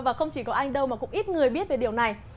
và không chỉ có anh đâu mà cũng ít người biết về điều này